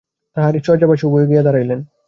তাহারই শয্যাপার্শ্বে উভয়ে গিয়া দাঁড়াইলেন।